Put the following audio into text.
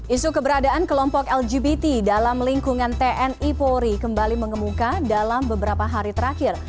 isu keberadaan kelompok lgbt dalam lingkungan tni polri kembali mengemuka dalam beberapa hari terakhir